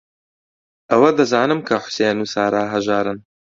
ئەوە دەزانم کە حوسێن و سارا ھەژارن.